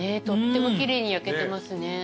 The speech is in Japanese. とっても奇麗に焼けてますね。